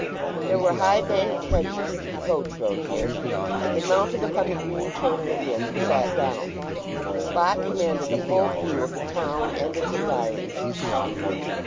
There were high banked hedges to the coach road here, and they mounted upon the green turf within, and sat down. The spot commanded a full view of the town and its environs.